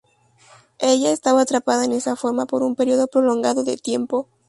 Ella estaba atrapada en esa forma por un período prolongado de tiempo.